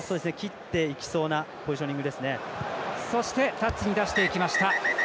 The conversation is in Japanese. タッチに出していきました。